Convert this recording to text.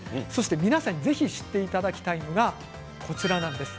皆さん、ぜひ知っていただきたいのはこちらなんです。